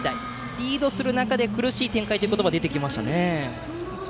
リードする中で苦しい展開という言葉も出てきましたね。